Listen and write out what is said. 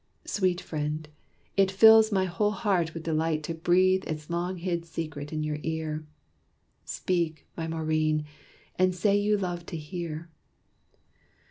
Sweet friend, it fills my whole heart with delight To breathe its long hid secret in your ear. Speak, my Maurine, and say you love to hear!"